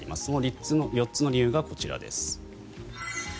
その４つの理由がこちらです。